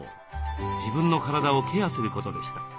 自分の体をケアすることでした。